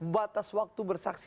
batas waktu bersaksi